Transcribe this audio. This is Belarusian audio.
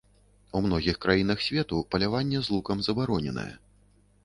У многіх краінах свету паляванне з лукам забароненае.